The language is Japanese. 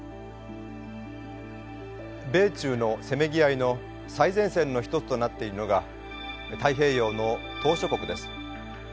米中のせめぎ合いの最前線の一つとなっているのが太平洋の島しょ国です。